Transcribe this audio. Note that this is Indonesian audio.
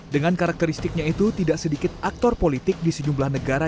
dengan karakteristiknya itu tidak sedikit aktor politik di sejumlah negara